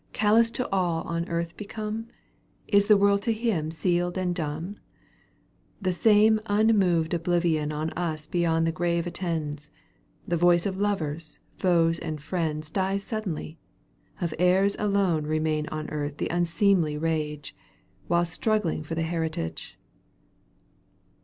Callous to aU on earth become — Is the world to him sealed and dumb ? The same unmoved oblivion On us beyond the grave attends. The voice of lovers, foes and friends, Dies suddenly : of heirs alone Bemains on earth the unseemly rage, Wlulst struggling for the heritage.